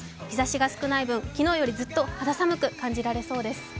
日ざしが少ない分、昨日よりずっと肌寒く感じられそうです。